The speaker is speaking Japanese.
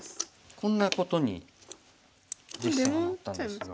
こんなことに実戦はなったんですが。